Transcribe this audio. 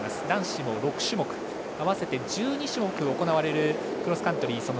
男子も６種目、合わせて１２種目行われるクロスカントリー